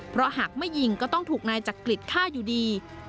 เพราะหากไม่ยิงก็ต้องถูกนายจักริตฆ่าอยู่ดี